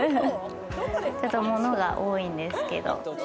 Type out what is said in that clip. ちょっと物が多いんですけど。